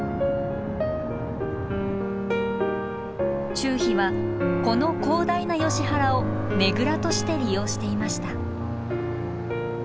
チュウヒはこの広大なヨシ原をねぐらとして利用していました。